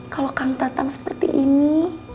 kalau kang datang seperti ini